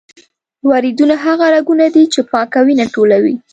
وریدونه هغه رګونه دي چې پاکه وینه ټولوي.